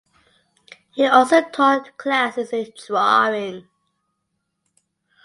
He also taught classes in drawing.